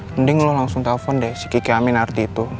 mending lo langsung telfon deh si kiki aminarti itu